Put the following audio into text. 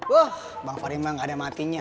wah bang farimah gak ada matinya